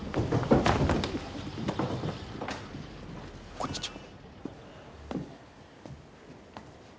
こんにちは。